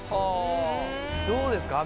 どうですか？